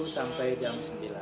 sampai jam sembilan